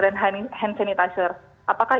dan hand sanitizer apakah